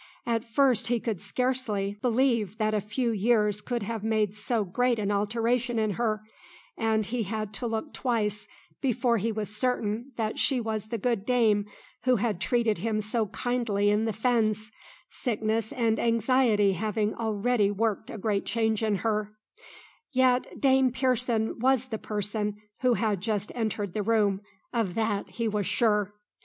At first he could scarcely believe that a few years could have made so great an alteration in her, and he had to look twice before he was certain that she was the good dame who had treated him so kindly in the fens, sickness and anxiety having already worked a great change in her; yet Dame Pearson was the person who had just entered the room, of that he was sure.